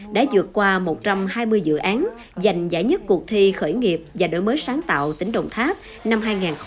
đã dược qua một trăm hai mươi dự án giành giải nhất cuộc thi khởi nghiệp và đổi mới sáng tạo tỉnh đồng tháp năm hai nghìn hai mươi